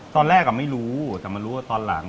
ตอนแรกไม่รู้แต่มารู้ว่าตอนหลัง